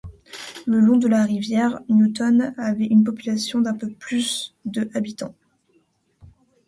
Le long de la rivière, Newton avait une population d'un peu plus de habitants.